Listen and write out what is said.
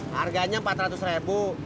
harganya empat ratus ribu